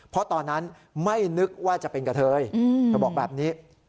เพราะตอนนั้นไม่นึกว่าจะเป็นกะเทยเธอบอกแบบนี้